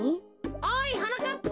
おいはなかっぱ。